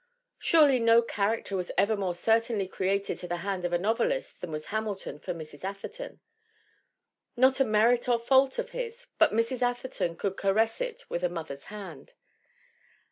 Surely no char acter was ever more certainly created to the hand of a novelist than was Hamilton for Mrs. Atherton. Not a merit or fault of his, but Mrs. Atherton could caress it with a mother's hand.